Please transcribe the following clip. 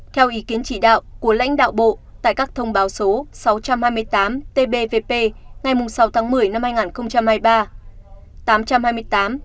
theo ý kiến chỉ đạo của lãnh đạo bộ tại các thông báo số sáu trăm hai mươi tám tbp ngày sáu tháng một mươi năm hai nghìn hai mươi ba